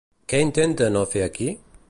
Què intenta no fer aquí?